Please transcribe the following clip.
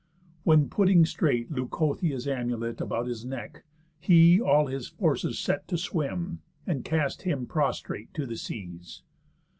When putting straight Leucothea's amulet About his neck, he all his forces set To swim, and cast him prostrate to the seas.